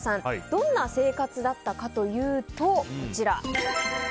どんな生活だったかというとこちら。